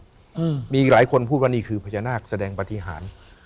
อืมมีอีกหลายคนพูดว่านี่คือพญานาคแสดงปฏิหาร